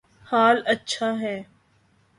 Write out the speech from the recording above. حال اچھا ہے